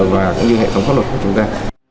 và cũng như hệ thống pháp luật của chúng ta